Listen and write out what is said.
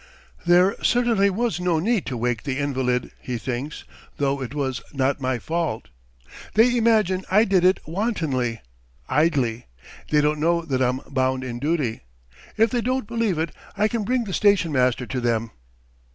"There certainly was no need to wake the invalid," he thinks, "though it was not my fault. .. .They imagine I did it wantonly, idly. They don't know that I'm bound in duty ... if they don't believe it, I can bring the station master to them."